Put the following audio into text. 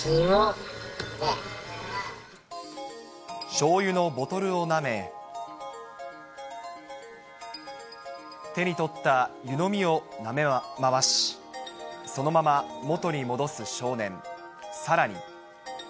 しょうゆのボトルをなめ、手に取った湯飲みをなめ回し、そのまま元に戻す少年。